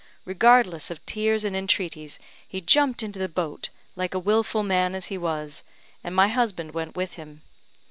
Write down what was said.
Regardless of tears and entreaties, he jumped into the boat, like a wilful man as he was, and my husband went with him.